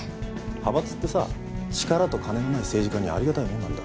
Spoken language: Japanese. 派閥ってさ力と金のない政治家にはありがたいもんなんだ。